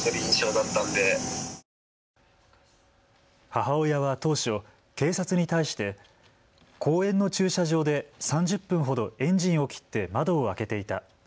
母親は当初、警察に対して公園の駐車場で３０分ほどエンジンを切って窓を開けていた。